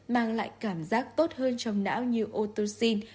mang lại cảm giác tốt hơn trong não như otocin